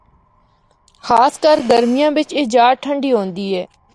خاص کر گرمیاں بچ اے جآ ٹھنڈی ہوندی اے۔